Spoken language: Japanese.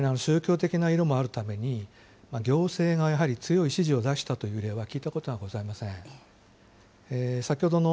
さらに宗教的な色もあるために、行政がやはり強い指示を出したという例は聞いたことはございません。